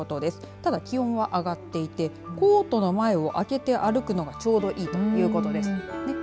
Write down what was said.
ただ、気温は上がっていてコートの前を開けて歩くのがちょうどいいということです。